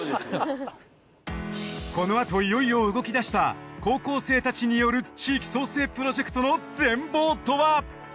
このあといよいよ動き出した高校生たちによる地域創生プロジェクトの全貌とは？